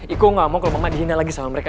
aku gak mau kalau mama dihina lagi sama mereka